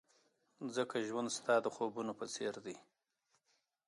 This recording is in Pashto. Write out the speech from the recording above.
ځکه ژوند ستا د خوبونو په څېر دی.